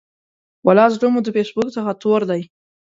ولا زړه مو د فیسبوک څخه تور دی.